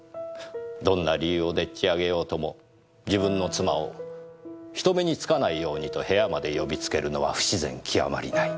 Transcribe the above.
どんな理由をでっちあげようとも自分の妻を人目に付かないようにと部屋まで呼びつけるのは不自然極まりない。